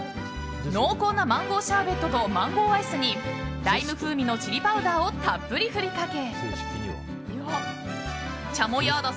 濃厚なマンゴーシャーベットとマンゴーアイスにライム風味のチリパウダーをたっぷり振りかけチャモヤーダ